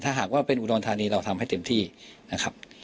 ถ้าหากว่าเป็นอุดรธานีเราทำให้เต็มที่นะครับ